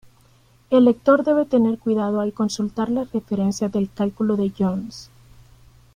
El lector debe tener cuidado al consultar las referencias del cálculo de Jones.